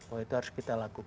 oh itu harus kita lakukan